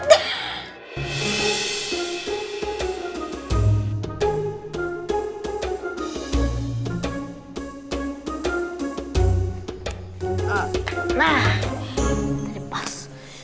nah ini pas